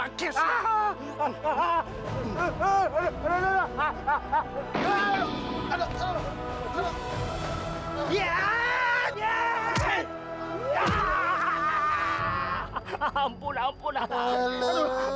aduh aduh aduh